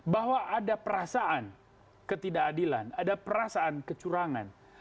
bahwa ada perasaan ketidakadilan ada perasaan kecurangan